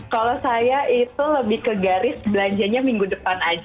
kalau saya itu lebih ke garis belanjanya minggu depan aja